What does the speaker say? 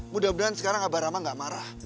mudah mudahan sekarang abah rama gak marah